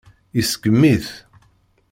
Iseggem-it.